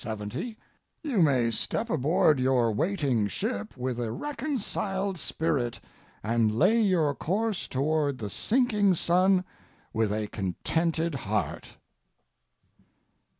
70 you may step aboard your waiting ship with a reconciled spirit, and lay your course toward the sinking sun with a contented heart."